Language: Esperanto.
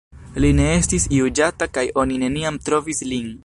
Li ne estis juĝata kaj oni neniam trovis lin.